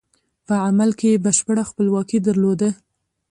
په عمل کې یې بشپړه خپلواکي درلوده.